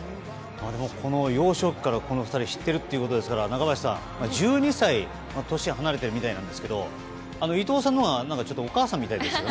でも、幼少期からこの２人は知ってるということですから中林さん、１２歳も年が離れてるみたいなんですけど伊藤さんのほうがお母さんみたいですよね。